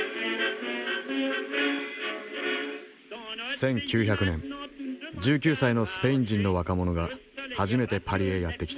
１９００年１９歳のスペイン人の若者が初めてパリへやって来た。